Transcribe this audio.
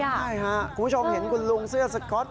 ใช่ค่ะคุณผู้ชมเห็นคุณลุงเสื้อสก๊อต